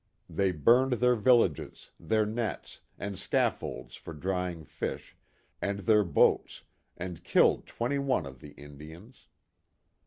They burned their vil lages, their nets, and scaffolds for drying fish, and their boats ; and killed twenty one of the Indians.